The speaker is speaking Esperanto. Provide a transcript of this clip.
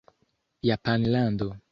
Japanlando